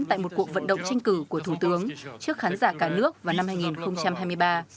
tại một cuộc vận động tranh cử của thủ tướng trước khán giả cả nước vào năm hai nghìn hai mươi ba